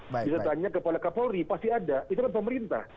bisa tanya kepada kapolri pasti ada itu kan pemerintah